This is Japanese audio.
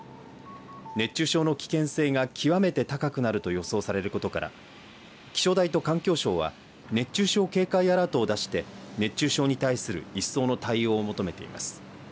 熱中症の危険性が極めて高くなると予想されることから気象台と環境省は熱中症警戒アラートを出して熱中症に対する一層の対応を求めています。